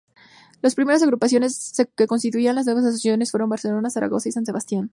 Las primeras agrupaciones que constituían la nueva asociación fueron Barcelona, Zaragoza y San Sebastián.